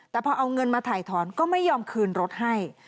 แต่พอเอาเงินมาถ่ายถอนก็ไม่ยอมคืนรถให้